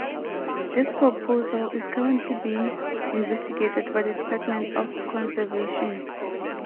This proposal is currently being investigated by the Department of Conservation.